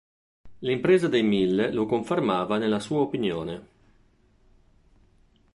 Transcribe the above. L'impresa dei Mille lo confermava nella sua opinione.